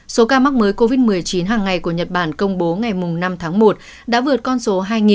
số ca mắc mới covid một mươi chín hàng ngày của nhật bản công bố ngày năm tháng một đã vượt con số hai